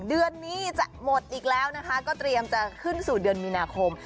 เดือนนี้จะหมดอีกแล้วนะคะก็เตรียมจะขึ้นสู่เดือนมีนาคม